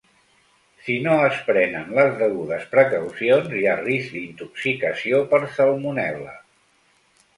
Si no es prenen les degudes precaucions, hi ha risc d'intoxicació per salmonel·la.